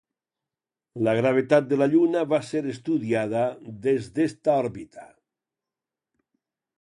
La gravetat de la Lluna va ser estudiada des d'esta òrbita.